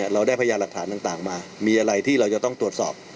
เราได้พยานหลักฐานต่างมามีอะไรที่เราจะต้องตรวจสอบ